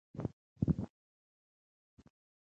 پاړوګر د مار له لاسه مري متل د خطرناک کار پایله ښيي